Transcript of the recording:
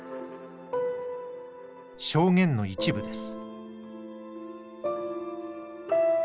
証言の一部です。